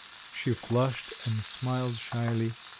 She flushed, and smiled shyly.